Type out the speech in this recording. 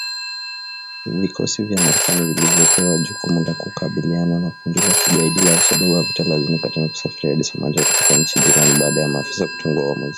Vikosi vya Marekani vilivyopewa jukumu la kukabiliana na kundi la kigaidi la al-Shabab havitalazimika tena kusafiri hadi Somalia kutoka nchi jirani baada ya maafisa kutengua uamuzi